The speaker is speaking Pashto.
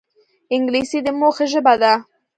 انګلیسي د موخې ژبه ده